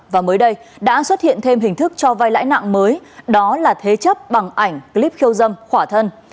và mới đây đã xuất hiện thêm hình thức cho vai lãi nặng mới đó là thế chấp bằng ảnh clip khiêu dâm khỏa thân